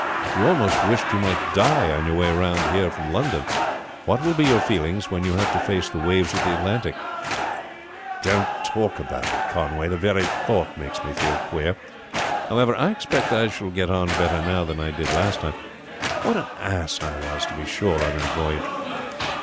You almost wished you might die on your way round here from London. What will be your feelings when you have to face the waves of the Atlantic?" "Don't talk about it, Conway. The very thought makes me feel queer. However, I expect I shall get on better now than I did last time. What an ass I was, to be sure, on that voyage!"